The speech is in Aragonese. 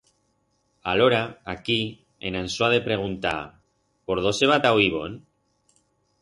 Alora, aquí, en Ansó ha de preguntar: Por dó se va ta o ibón?